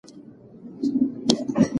بزګر ته خپله پرېکړه سمه ښکارېدله.